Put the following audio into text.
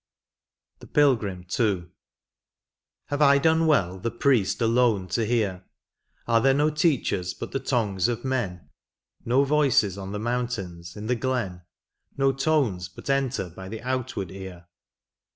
68 xxxi: THE PILGRIM. — 11. Have I done well the priest alone to hear. Are there no teachers but the tongues of men, No Yoices on the mountains, in the glen. No tones but enter by the outward ear